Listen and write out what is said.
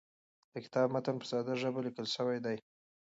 د کتاب متن په ساده ژبه لیکل سوی دی.